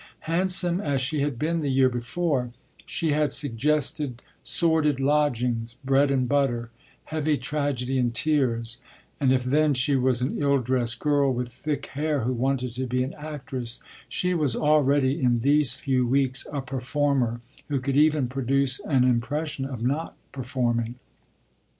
Handsome as she had been the year before, she had suggested sordid lodgings, bread and butter, heavy tragedy and tears; and if then she was an ill dressed girl with thick hair who wanted to be an actress, she was already in these few weeks a performer who could even produce an impression of not performing.